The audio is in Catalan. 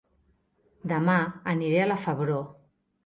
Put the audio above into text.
Dema aniré a La Febró